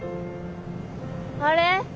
あれ？